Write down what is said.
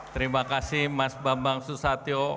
terima kasih mas bambang susatyo